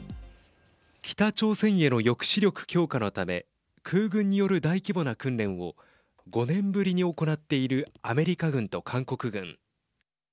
北朝鮮への抑止力強化のため空軍による大規模な訓練を５年ぶりに行っているアメリカ軍と韓国軍。